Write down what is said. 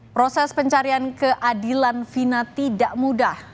proses pencarian keadilan vina tidak mudah